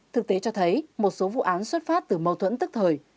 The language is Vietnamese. thực tế cho thấy một số vụ án xuất phát từ mâu thuẫn tức thời